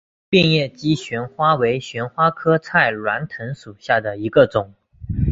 变叶姬旋花为旋花科菜栾藤属下的一个种。